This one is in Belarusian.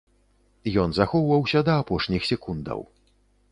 Ён захоўваўся да апошніх секундаў.